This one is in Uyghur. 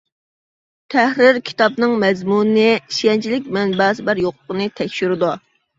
تەھرىر كىتابنىڭ مەزمۇنى، ئىشەنچلىك مەنبەسى بار يوقلۇقىنى تەكشۈرىدۇ.